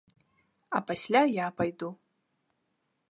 А пасля я пайду.